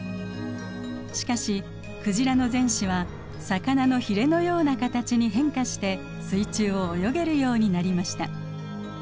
しかしクジラの前肢は魚のヒレのような形に変化して水中を泳げるようになりました。